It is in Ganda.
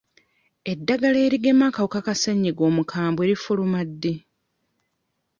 Eddagala erigema akawuka ka ssenyiga omukambwe lifuluma ddi?